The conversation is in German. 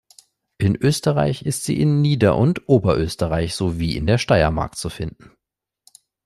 In Österreich ist sie in Nieder- und Oberösterreich sowie in der Steiermark zu finden.